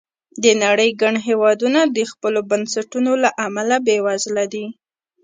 د نړۍ ګڼ هېوادونه د خپلو بنسټونو له امله بېوزله دي.